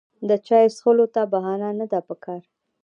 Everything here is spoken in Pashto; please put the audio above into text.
د چای څښلو ته بهانه نه ده پکار.